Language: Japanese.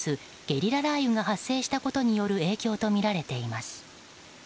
ゲリラ雷雨が発生したことによる影響とみられています。